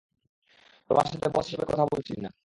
তোমার সাথে বস হিসেবে কথা বলছি না।